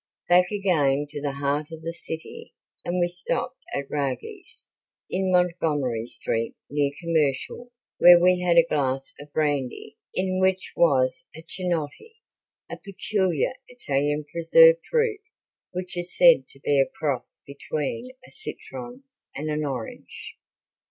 Back again to the heart of the city and we stopped at Raggi's, in Montgomery street near Commercial where we had a glass of brandy in which was a chinotti (a peculiar Italian preserved fruit which is said to be a cross between a citron and an orange).